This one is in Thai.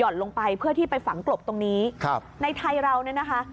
ลงไปเพื่อที่ไปฝังกลบตรงนี้ครับในไทยเราเนี่ยนะคะ